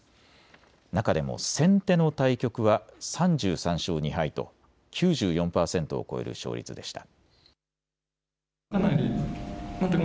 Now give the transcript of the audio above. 中でも先手の対局は３３勝２敗と９４％を超える勝率でした。